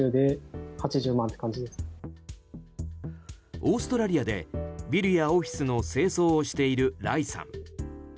オーストラリアでビルやオフィスの清掃をしている莉さん。